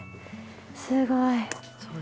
すごい。